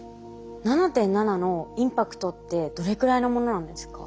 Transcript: ７．７のインパクトってどれくらいのものなんですか？